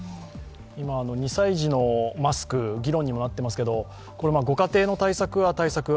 今、２歳児のマスクが議論にもなっていますがご家庭の対策は対策